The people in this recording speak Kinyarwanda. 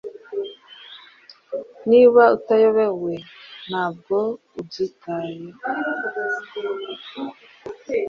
Niba utayobewe, ntabwo ubyitayeho.